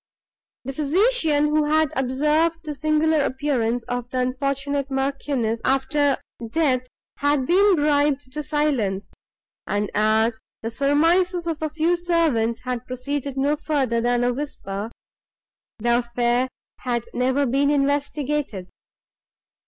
The physician, who had observed the singular appearance of the unfortunate Marchioness, after death, had been bribed to silence; and, as the surmises of a few of the servants had proceeded no further than a whisper, the affair had never been investigated.